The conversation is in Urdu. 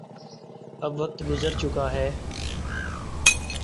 اب وقت گزر چکا ہے۔